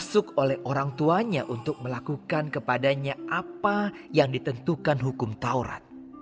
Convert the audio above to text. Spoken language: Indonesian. masuk oleh orang tuanya untuk melakukan kepadanya apa yang ditentukan hukum taurat